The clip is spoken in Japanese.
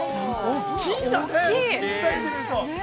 大きいんだね。